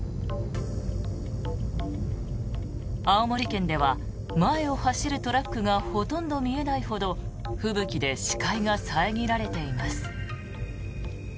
青森県では、前を走るトラックがほとんど見えないほど吹雪で視界が遮られています。